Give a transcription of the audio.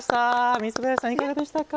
三林さん、いかがでしたか。